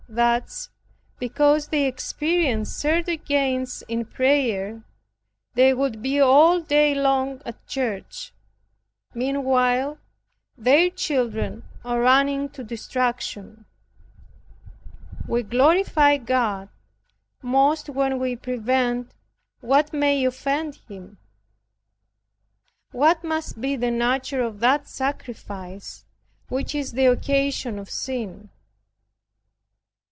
Thus, because they experience certain gains in prayer, they would be all day long at church; meanwhile their children are running to destruction. We glorify God most when we prevent what may offend Him. What must be the nature of that sacrifice which is the occasion of sin!